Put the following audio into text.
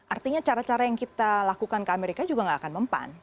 artinya cara cara yang kita lakukan ke amerika juga nggak akan mempan